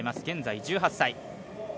現在１８歳。